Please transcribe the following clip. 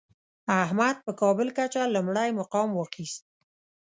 احمد په کابل کچه لومړی مقام واخیست.